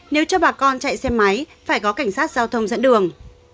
nếu cho bà con chạy xe máy phải có cảnh sát giao thông dẫn đường